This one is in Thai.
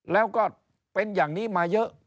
แล้วก็เป็นอย่างนี้มาเยอะ